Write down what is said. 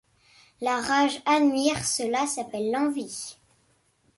La rage admire ; cela s’appelle l’envie.